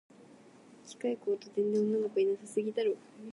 機械工と電電女の子いなさすぎだろ